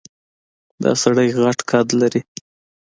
دا سړی غټ قد لري.